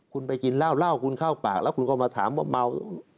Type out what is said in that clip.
คุณไปกินเหล้าเหล้าคุณเข้าปากแล้วคุณก็มาถามว่าเมา